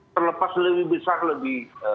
terlepas lebih besar lebih